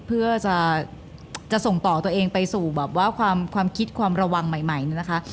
เพื่อจะส่งต่อตัวเองไปสู่ความคิดความระวังใหม่นะคะ